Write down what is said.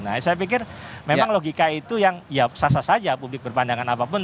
nah saya pikir memang logika itu yang ya sah sah saja publik berpandangan apapun